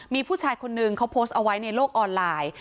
มีผู้ชายคนนึงเขาโพสต์เอาไว้ในโลกออนไลน์